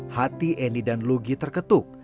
hati eni dan lugi terketuk